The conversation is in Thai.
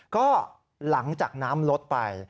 ก็หลังจากน้ำลดไป